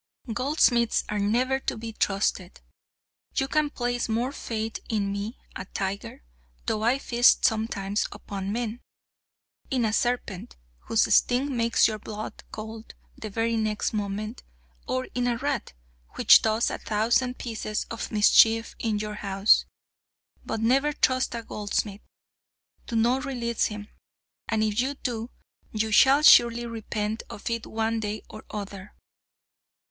Goldsmiths are never to be trusted. You can place more faith in me, a tiger, though I feast sometimes upon men, in a serpent, whose sting makes your blood cold the very next moment, or in a rat, which does a thousand pieces of mischief in your house. But never trust a goldsmith. Do not release him; and if you do, you shall surely repent of it one day or other."